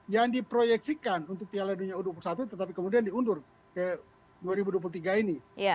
yang diproyeksikan untuk piala dunia u dua puluh satu tetapi kemudian diundur ke dua ribu dua puluh tiga ini